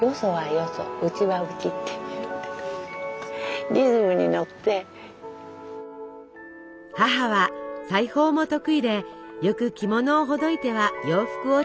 母は裁縫も得意でよく着物をほどいては洋服を作ってくれたそうです。